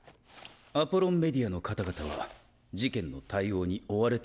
アポロンメディアの方々は事件の対応に追われているようですので。